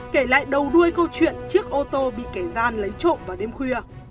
kể lại đầu đuôi câu chuyện chiếc ô tô bị kẻ gian lấy trộm vào đêm khuya